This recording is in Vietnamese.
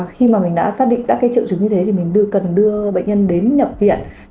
khi mà mình đã xác định các cái triệu chứng như thế thì mình cần đưa bệnh nhân đến nhập viện